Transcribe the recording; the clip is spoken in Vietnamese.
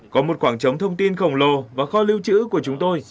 có một khoảng trống thông tin khổng lồ và kho lưu trữ của chúng tôi